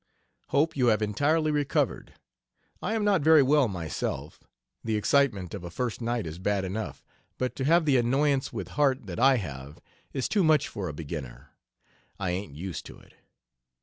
Hope you have entirely recovered. I am not very well myself, the excitement of a first night is bad enough, but to have the annoyance with Harte that I have is too much for a beginner. I ain't used to it.